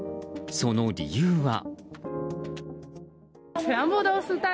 その理由は。